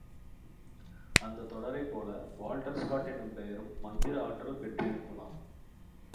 அந்தத் தொடரைப்போல, Walter Scott என்னும் பெயரும் மந்திர ஆற்றல் பெற்றிருந்ததாம்.